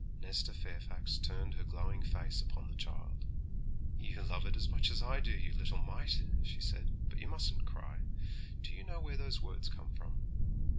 Nesta Fairfax turned her glowing face upon the child. 'You love it as much as I do, you little mite!' she said; 'but you mustn't cry. Do you know where those words come from?'